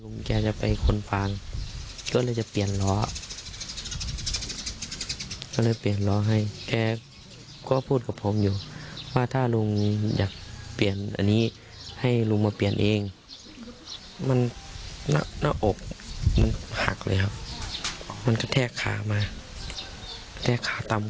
มันหักเลยครับมันกระแทกขามาแทกขาตำขึ้นมาอย่างงี้แล้วก็กระเด็น